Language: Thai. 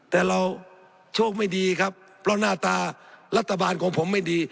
แต่เราโชคไม่ดีครับเพราะหน้าตารัฐบาลของผมไม่ดี